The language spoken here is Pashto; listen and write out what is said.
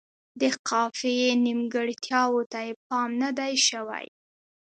د قافیې نیمګړتیاوو ته یې پام نه دی شوی.